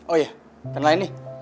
oh iya kenal ini